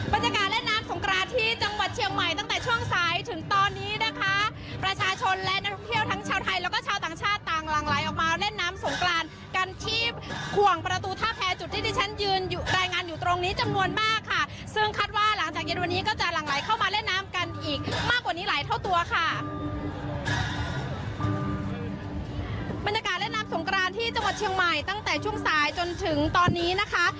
บรรยากาศเล่นน้ำสงกรานที่จังหวัดเชียงใหม่ตั้งแต่ช่วงสายจนถึงตอนนี้นะคะ